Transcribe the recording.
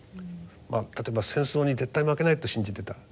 例えば戦争に絶対負けないと信じてた。